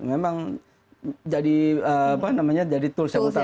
memang jadi apa namanya jadi tools yang utama